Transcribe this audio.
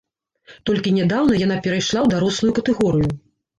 Толькі нядаўна яна перайшла ў дарослую катэгорыю.